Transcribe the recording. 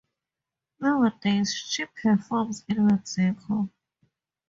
Nowadays she performs in Mexico.